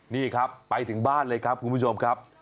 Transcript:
นี่ครับไปถึงบ้านเลยครับคุณผู้ชมครับ